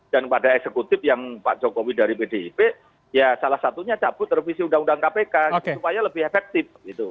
dan pada eksekutif yang pak jokowi dari pdip ya salah satunya cabut revisi undang undang kpk supaya lebih efektif gitu